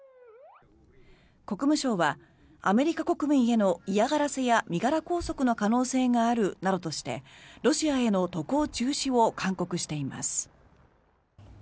国務省はアメリカ国民への嫌がらせや身柄拘束の可能性があるなどとしてロシアへの渡航中止を勧告しています。